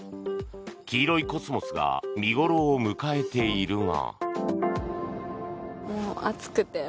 黄色いコスモスが見頃を迎えているが。